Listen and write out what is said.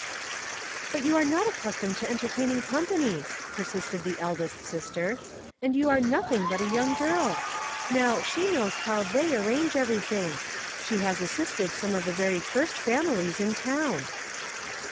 " But you are not accustomed to entertaining company," persisted the eldest sister ;'' and you are nothing but a young girl. Now, she knows how * they ' arrange everything. She has as sisted some of the very first families in town."